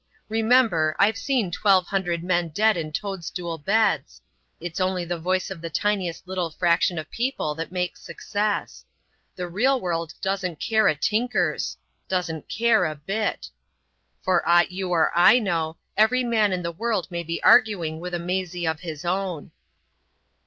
Remember, I've seen twelve hundred men dead in toadstool beds. It's only the voice of the tiniest little fraction of people that makes success. The real world doesn't care a tinker's—doesn't care a bit. For aught you or I know, every man in the world may be arguing with a Maisie of his own."